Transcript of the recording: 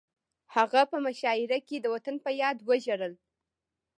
هغه په مشاعره کې د وطن په یاد وژړل